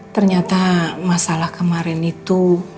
ternyata masalah kemarin itu